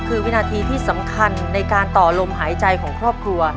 คือวินาทีที่สำคัญในการต่อลมหายใจของครอบครัว